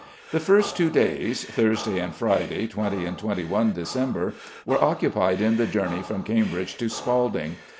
The first two days, Thursday and Friday, 20 and 21 December, were occupied in the journey from Cambridge to Spalding.